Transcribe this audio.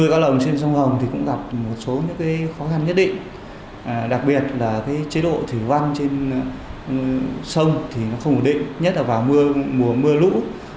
cá lồng trên sông hồng cũng gặp một số khó khăn nhất định đặc biệt là chế độ thủy văn trên sông không ổn định nhất là vào mùa lũ